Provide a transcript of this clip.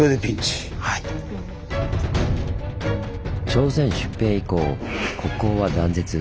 朝鮮出兵以降国交は断絶。